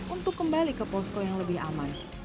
untuk kembali ke posko yang lebih aman